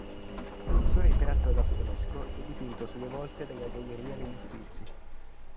Un suo ritratto ad affresco è dipinto sulle volte della Galleria degli Uffizi.